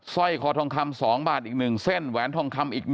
ซ่อยข้อทางทำสองบาท๑เส้น